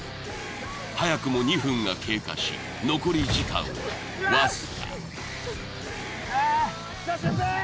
早くも２分が経過し残り時間はわずか来たシュウペイ！